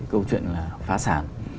câu chuyện là phá sản